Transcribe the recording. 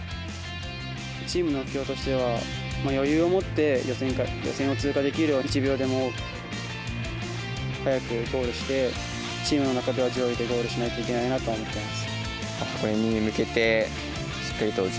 チームの目標としては、余裕を持って、予選会を通過できるように、１秒でも速くゴールして、チームの中では上位でゴールしなきゃいけないなとは思ってます。